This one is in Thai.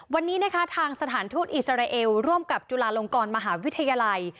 วันนี้นะคะทางสถานทูตอิสราเอลร่วมกับจุฬาลงกรมหาวิทยาลัย